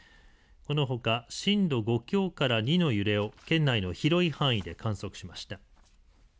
このほか震度５強から２の揺れを県内の広い範囲で観測しました。